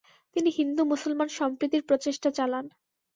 তিনি হিন্দু-মুসলমান সম্প্রীতির প্রচেষ্টা চালান।